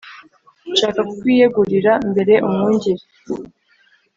nshaka kukwiyegurira: mbere umwungeri,